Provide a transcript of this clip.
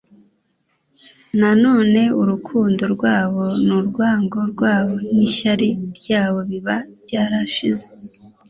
nanone urukundo rwabo n’urwango rwabo n’ishyari ryabo biba byarashize